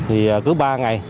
thì cứ ba ngày